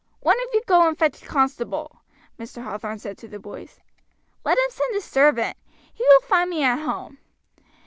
"One of you go and fetch a constable," Mr. Hathorn said to the boys. "Let him send his servant. He will find me at home.